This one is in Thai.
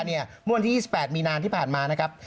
เมื่อวันที่๒๘มีนาที่ผ่านมานะครับ